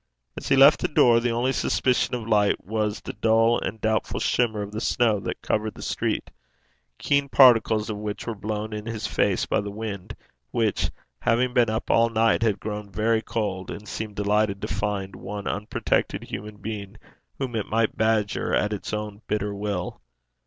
As he left the door, the only suspicion of light was the dull and doubtful shimmer of the snow that covered the street, keen particles of which were blown in his face by the wind, which, having been up all night, had grown very cold, and seemed delighted to find one unprotected human being whom it might badger at its own bitter will.